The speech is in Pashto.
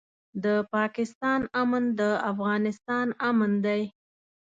د پاکستان امن د افغانستان امن دی.